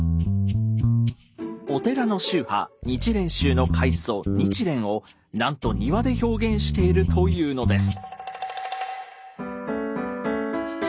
お寺の宗派日蓮宗の開祖日蓮をなんと庭で表現しているというのです。